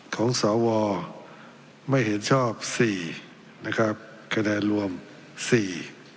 ของสวไม่เห็นชอบสี่นะครับคะแนนรวมสี่